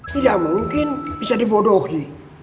tidak mungkin essa di bodohi